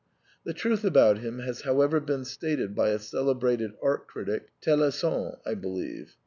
The truth about him has however been stated by a celebrated art critic, Taillas son,' I believe.